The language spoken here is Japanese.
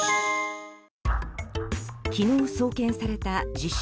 昨日、送検された自称